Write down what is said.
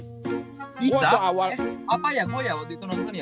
eh apa ya kok ya waktu itu nonton ya